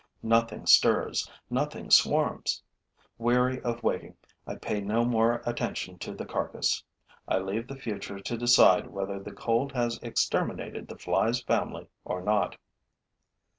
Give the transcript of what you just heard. Nothing stirs, nothing swarms. Weary of waiting, I pay no more attention to the carcass; I leave the future to decide whether the cold has exterminated the fly's family or not.